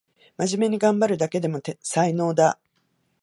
まじめにがんばるだけでも才能だ